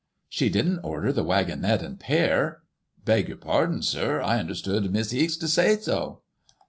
*' ''She didn't order the wag gonette and pair." ''Beg your pardon, sir, I understood Miss Heeks to say so.